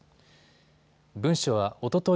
文書はおととい